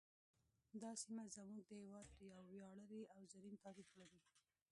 دا سیمه زموږ د هیواد یو ویاړلی او زرین تاریخ لري